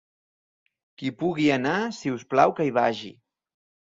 Qui pugui anar, si us plau que hi vagi.